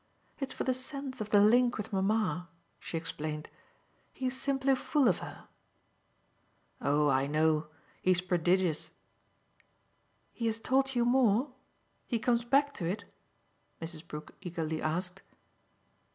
"It's for the sense of the link with mamma," she explained. "He's simply full of her." "Oh I know. He's prodigious." "He has told you more he comes back to it?" Mrs. Brook eagerly asked.